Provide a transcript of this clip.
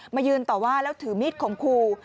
มายืนต่อว่าแล้วถือมีดขมครู